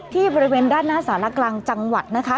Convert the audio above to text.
บริเวณด้านหน้าสารกลางจังหวัดนะคะ